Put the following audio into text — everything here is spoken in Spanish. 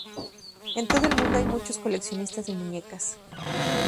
En todo el mundo hay muchos coleccionistas de muñecas.